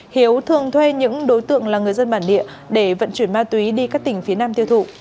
hiếu thường thuê những đối tượng là người dân bản địa để vận chuyển ma túy đi các tỉnh phía nam tiêu thụ